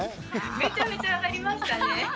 めちゃめちゃ上がりましたね。